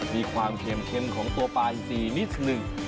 มีความเค็มของตัวปลาอินซีนิดนึง